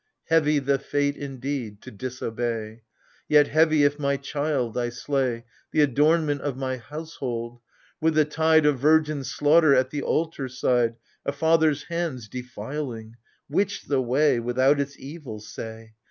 " Heavy the fate, indeed, — to disobey ! Yet heavy if my child I slay, The adornment of my household : with the tide Of virgin slaughter, at the altar side, A father's hands defiling : which the way Without its evils, say